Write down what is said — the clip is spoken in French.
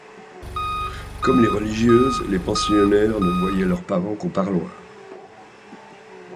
Comme les religieuses, les pensionnaires ne voyaient leurs parents qu’au parloir.